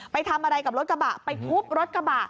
ไปทำอะไรกับรถกระบะไปทุบรถกระบะ